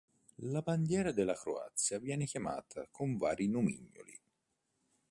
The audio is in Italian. La bandiera della Croazia viene chiamata con vari nomignoli.